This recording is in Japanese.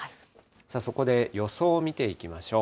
そこで予想を見ていきましょう。